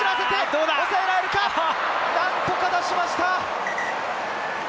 何とか出しました！